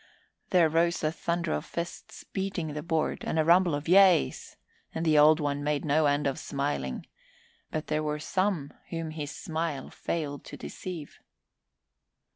There rose a thunder of fists beating the board and a rumble of "Yea's," and the Old One made no end of smiling, but there were some whom his smile failed to deceive.